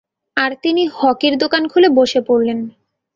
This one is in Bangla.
আর তিনি হকির দোকান খুলে বসে পরলেন।